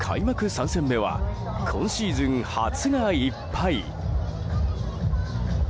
３戦目は今シーズン初がいっぱい。